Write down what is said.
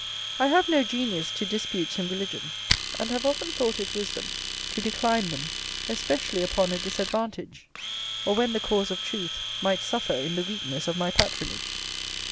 I have no genius to disputes in religion: and have often thought it wisdom to decline them, especially upon a disadvantage, or when the cause of truth might suffer in the weakness of my patronage.